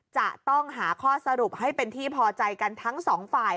จะต้องหาข้อสรุปให้เป็นที่พอใจกันทั้งสองฝ่าย